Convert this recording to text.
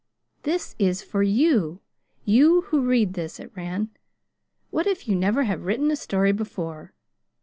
"This is for you you who read this," it ran. "What if you never have written a story before!